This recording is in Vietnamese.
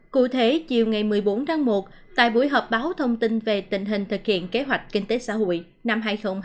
cụ thể chiều ngày một mươi bốn tháng một tại buổi họp báo thông tin về tình hình thực hiện kế hoạch kinh tế xã hội năm hai nghìn hai mươi